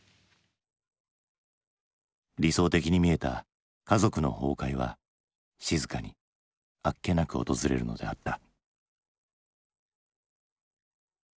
理想的に見えた家族の崩壊は静かにあっけなく訪れるのであった。